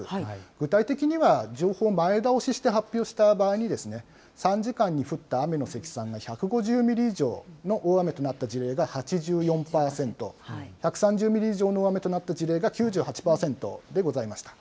具体的には、情報を前倒しして発表した場合に、３時間に降った雨の積算が１５０ミリ以上の大雨となった事例が８４％、１３０ミリ以上の大雨となった事例が９８％でございました。